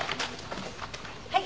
はい。